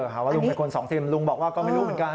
หาว่าลุงเป็นคนสองซิมลุงบอกว่าก็ไม่รู้เหมือนกัน